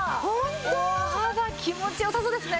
お肌気持ち良さそうですね。